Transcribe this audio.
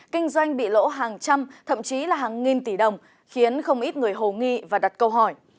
kinh doanh bị lỗ hàng trăm thậm chí là hàng nghìn tỷ đồng khiến không ít người hồ nghi và đặt câu hỏi